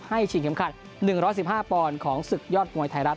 ชิงเข็มขัด๑๑๕ปอนด์ของศึกยอดมวยไทยรัฐ